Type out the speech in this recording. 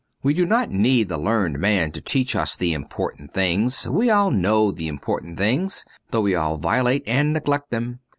We do not need the learned man to teach us the important things. We all know the important things, though we all violate and neglect them.